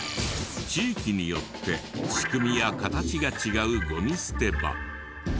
地域によって仕組みや形が違うゴミ捨て場。